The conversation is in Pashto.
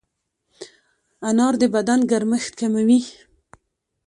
انار د بدن ګرمښت کموي.